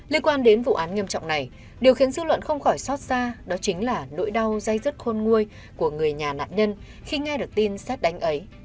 liên quan đến vụ án nghiêm trọng này điều khiến dư luận không khỏi xót xa đó chính là nỗi đau dây dứt khôn nguôi của người nhà nạn nhân khi nghe được tin xét đánh ấy